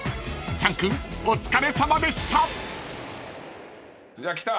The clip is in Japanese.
［チャン君お疲れさまでした］来た！